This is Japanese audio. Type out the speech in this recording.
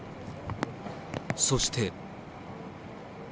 そして。